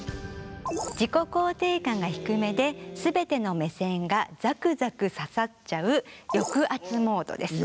自己肯定感が低めで全ての目線がザクザク刺さっちゃう抑圧モードです。